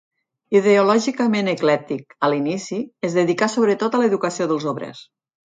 Ideològicament eclèctic a l'inici, es dedicà sobretot a l'educació dels obrers.